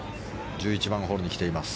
１１番ホールに来ています。